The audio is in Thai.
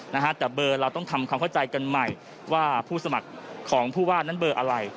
นะฮะแต่เบอร์เราต้องทำความเข้าใจกันใหม่ว่าผู้สมัครของผู้ว่านั้นเบอร์อะไร